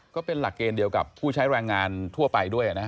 ก็เป็นหลักเกณฑ์เดียวกับผู้ใช้แรงงานทั่วไปด้วยนะฮะ